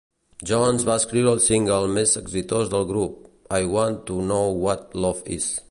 Jones va escriure el single més exitós del grup, I Want to Know What Love Is.